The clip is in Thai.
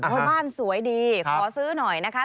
บ้านสวยดีขอซื้อหน่อยนะคะ